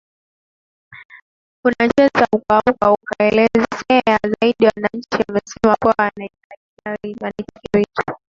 unaweza uka uka ukaelezea zaidi wananchi wamesema kuwa wanaitikia wito